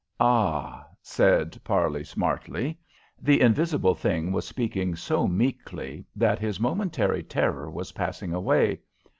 "Ah?" said Parley, smartly. The invisible thing was speaking so meekly that his momentary terror was passing away.